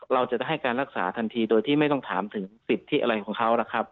เราจะให้การรักษาทันทีโดยที่ไม่ต้องถามถึงสิทธิอะไรของเขานะครับ